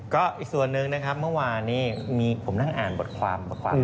ก็อีกส่วนหนึ่งนะครับเมื่อวานนี้มีผมนั่งอ่านบทความมาฟัง